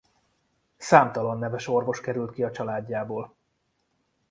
Számtalan neves orvos került ki a családjából.